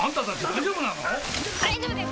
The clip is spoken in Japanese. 大丈夫です